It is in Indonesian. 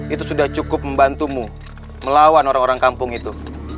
itu sudah cukup membantumu melawan orang orang kampung itu